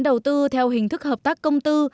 đầu tư theo hình thức hợp tác công tư